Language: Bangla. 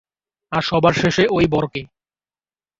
আর সবার শেষে ঐ বরকে।